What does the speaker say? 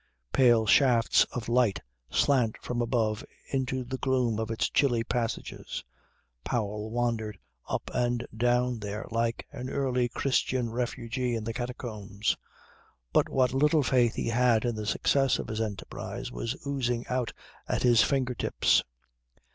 Pale shafts of light slant from above into the gloom of its chilly passages. Powell wandered up and down there like an early Christian refugee in the catacombs; but what little faith he had in the success of his enterprise was oozing out at his finger tips.